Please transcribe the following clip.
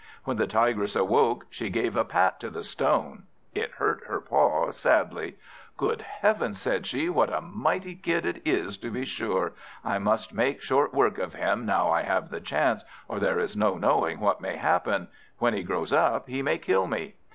When the Tigress awoke, she gave a pat to the stone: it hurt her paw sadly. "Good heavens," said she, "what a mighty Kid it is, to be sure! I must make short work of him now I have the chance, or there is no knowing what may happen. When he grows up, he may kill me."